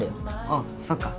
ああそっか。